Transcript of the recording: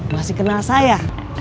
masih kenal saya